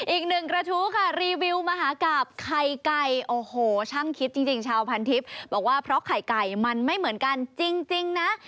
อีกหนึ่งกระทู้ค่ะรีวิวมหากราบไข่ไก่โอ้โหช่างคิดจริงชาวพันทิพย์บอกว่าเพราะไข่ไก่มันไม่เหมือนกันจริงนะ